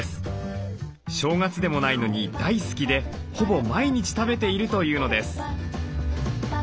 正月でもないのに大好きでほぼ毎日食べているというのです。